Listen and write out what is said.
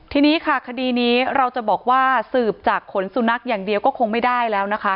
ทีนี้ค่ะคดีนี้เราจะบอกว่าสืบจากขนสุนัขอย่างเดียวก็คงไม่ได้แล้วนะคะ